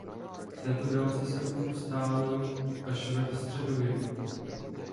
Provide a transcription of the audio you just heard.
V této délce se ustálil až ve středověku.